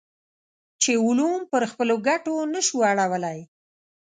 چې علوم پر خپلو ګټو نه شو اړولی.